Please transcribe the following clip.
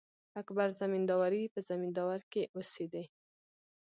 اکبر زمینداوری په زمینداور کښي اوسېدﺉ.